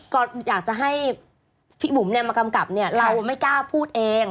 ก็อยากจะให้พี่บุ๋มมากำกับเนี่ยเราไม่กล้าพูดเอง